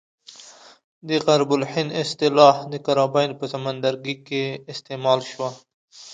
غرب الهند اصطلاح د کاربین په سمندرګي کې استعمال شوه.